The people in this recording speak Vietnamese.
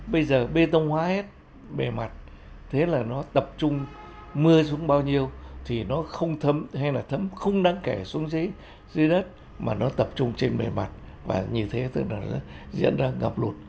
bây giờ bê tông hóa hết bề mặt thế là nó tập trung mưa xuống bao nhiêu thì nó không thấm hay là thấm không đáng kể xuống dưới đất mà nó tập trung trên bề mặt và như thế tức là nó diễn ra ngập lụt